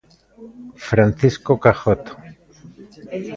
Francisco Cajoto.